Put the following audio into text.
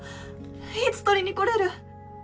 いつ取りに来れる？